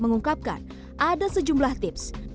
mengungkapkan ada sejumlah tips